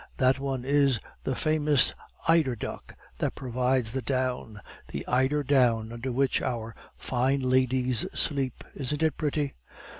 That one is the famous eider duck that provides the down, the eider down under which our fine ladies sleep; isn't it pretty?